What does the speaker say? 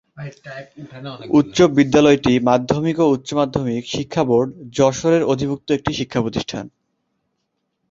উচ্চ বিদ্যালয়টি মাধ্যমিক ও উচ্চ মাধ্যমিক শিক্ষা বোর্ড, যশোরের অধিভূক্ত একটি শিক্ষাপ্রতিষ্ঠান।